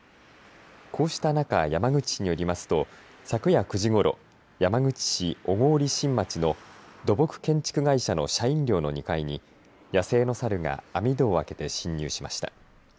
こうした中、山口市によりますと昨夜９時ごろ、山口市小郡新町の土木建築会社の社員寮の２階に野生のサルが網戸を開けて侵入しました。